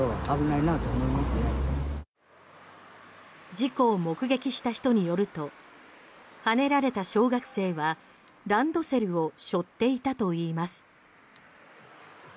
事故を目撃した人によるとはねられた小学生はランドセルをしょっていたといいます。